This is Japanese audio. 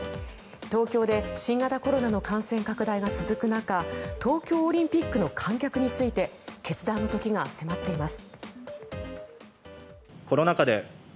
東京で新型コロナの感染拡大が続く中東京オリンピックの観客について決断の時が迫っています。